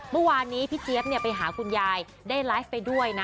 เมื่อวานนี้พี่เจี๊ยบไปหาคุณยายได้ไลฟ์ไปด้วยนะ